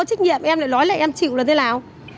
thế bây giờ em đang ở đâu